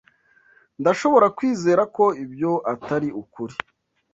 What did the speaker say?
Ndashobora kwizeza ko ibyo atari ukuri.